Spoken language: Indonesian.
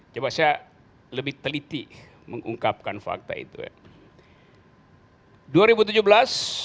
coba saya lebih teliti mengungkapkan fakta itu ya